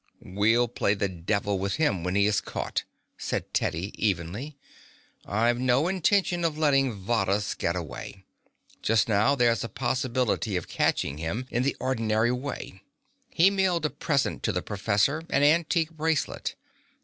"We'll play the devil with him when he is caught," said Teddy evenly. "I've no intention of letting Varrhus get away. Just now there's a possibility of catching him in the ordinary way. He mailed a present to the professor, an antique bracelet.